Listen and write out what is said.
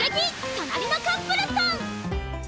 となりのカップルさん！